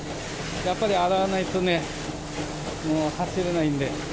やっぱり洗わないとね、もう走れないんで。